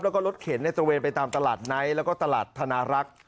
แล้วก็รถเข็นในตระเวนไปตามตลาดไนท์แล้วก็ตลาดธนารักษ์